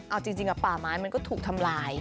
เอาจริงป่าไม้มันก็ถูกทำลาย